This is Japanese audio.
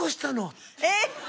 えっ！